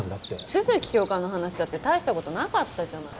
都築教官の話だって大したことなかったじゃない。